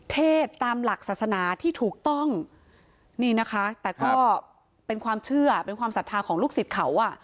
เทศตามหลักศาสนาที่ถูกต้องนี่นะคะแต่ก็เป็นความเชื่อเป็นความศรัทธาของลูกศิษย์เขาอ่ะ